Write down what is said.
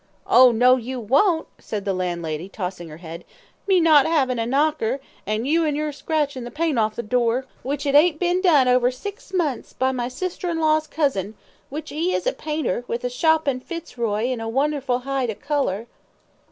"Oh, no you won't," said the landlady, tossing her head, "me not 'avin' a knocker, an' your 'and a scratchin' the paint off the door, which it ain't been done over six months by my sister in law's cousin, which 'e is a painter, with a shop in Fitzroy, an' a wonderful heye to colour."